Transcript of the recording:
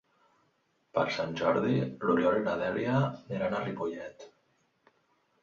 Per Sant Jordi n'Oriol i na Dèlia iran a Ripollet.